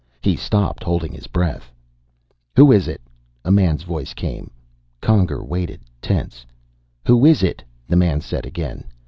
He stopped, holding his breath. "Who is it?" a man's voice came. Conger waited, tense. "Who is it?" the man said again.